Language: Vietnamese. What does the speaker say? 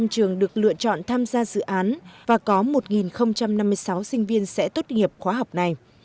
bốn mươi trường được lựa chọn tham gia dự án và có một năm mươi sáu sinh viên sẽ tốt nghiệp khóa học này